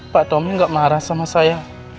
pak tommy gak marah sama saya